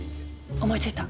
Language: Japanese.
思いついた！